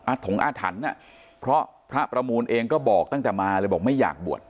ถงอาถรรพ์อ่ะเพราะพระประมูลเองก็บอกตั้งแต่มาเลยบอกไม่อยากบวช